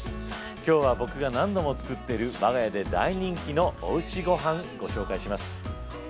今日は僕が何度も作っている我が家で大人気の「おうちごはん」ご紹介します。